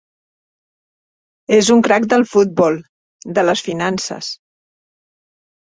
És un crac del futbol, de les finances.